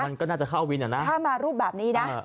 มันก็น่าจะเข้าวินอ่ะนะถ้ามารูปแบบนี้นะ